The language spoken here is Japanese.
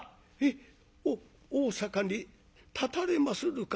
おっ大坂にたたれまするか？